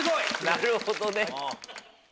なるほどね。